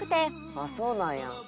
「ああそうなんや」